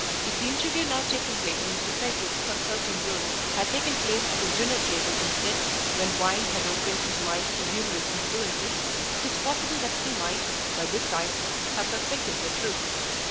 If the interview now taking place in Mr. Pedgift's consulting room had taken place at his dinner table instead, when wine had opened his mind to humorous influences, it is possible that he might, by this time, have suspected the truth.